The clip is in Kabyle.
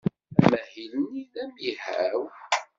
Amahil-nni d amihaw.